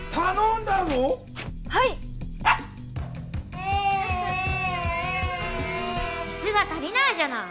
いすが足りないじゃない！